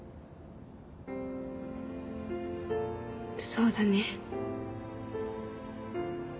そうだね。